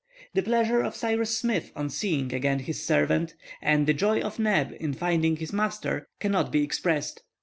The pleasure of Cyrus Smith on seeing again his servant, and the joy of Neb in finding his master, cannot be expressed.